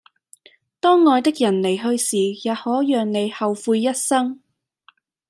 當愛的人離去時也可讓你後悔一生